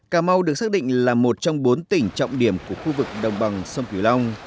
cà mau được xác định là một trong bốn tỉnh trọng điểm của khu vực đồng bằng sông cửu long